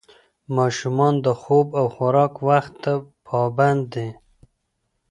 ماشومان د خوب او خوراک وخت ته پابند دي.